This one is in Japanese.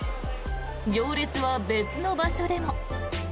行列は別の場所でも。